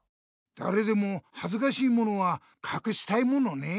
だれでもはずかしいものはかくしたいものね。